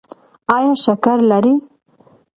ایا شکر لرئ؟